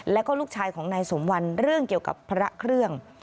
แล้วก็ลูกชายของนายสมวันเรื่องเกี่ยวกับพระเครื่อง